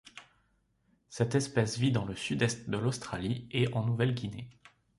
Cette espèce vit dans le sud-est de l'Australie et en Nouvelle-Guinée.